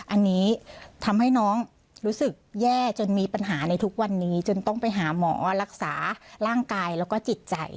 อันนี้ทำให้น้องรู้สึกแย่จนมีปัญหาในทุกวันนี้จนต้องไปหาหมอรักษาร่างกายแล้วก็จิตใจ